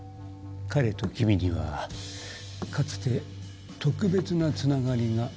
彼と君にはかつて特別な繋がりがあったようだね。